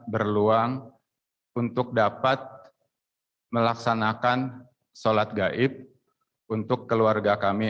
berluang untuk dapat melaksanakan sholat gaib untuk keluarga kami